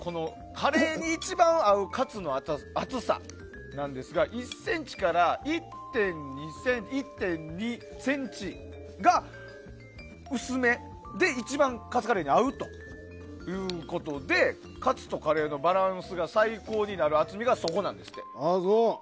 カレーに一番合うカツの厚さなんですが１ｃｍから１．２ｃｍが薄めで一番カツカレーに合うということでカツとカレーのバランスが最高になる厚みがそこなんですって。